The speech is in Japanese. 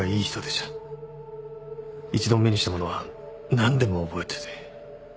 一度目にしたものは何でも覚えてて。